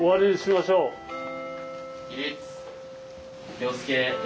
気を付け礼。